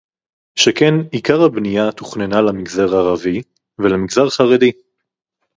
שכן עיקר הבנייה תוכננה למגזר הערבי ולמגזר החרדי